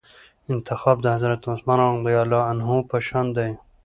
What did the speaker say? انتخاب د حضرت عثمان رضي الله عنه په شان دئ.